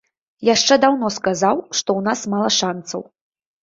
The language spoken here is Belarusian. Яшчэ даўно сказаў, што ў нас мала шанцаў.